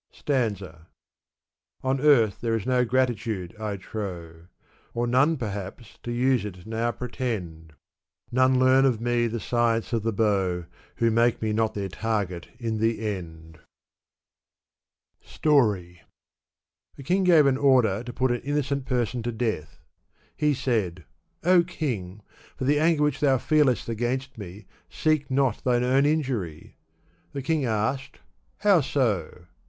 Stanza. * On earth there is no gratitude, I trow ; Or none, perhaps, to use it now pretend. None learn of rae the science of the bow, Who make me not their target In the end.* t Digitized by Google Gulistan; or. Rose Garden. 269 Story. A king gave an order to put an innocent person to death. He said, '' O king ! for the anger which thou feelest against me, seek not thine own injury !" The king asked, "How so?"